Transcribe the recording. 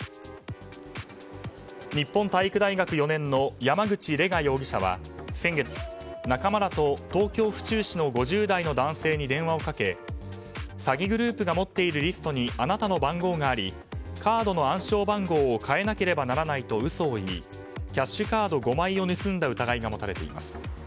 日本体育大学４年の山口礼雅容疑者は先月、仲間らと東京・府中市の５０代の男性に電話をかけ、詐欺グループが持っているリストにあなたの番号がありカードの暗証番号を変えなければならないと嘘を言いキャッシュカード５枚を盗んだ疑いが持たれています。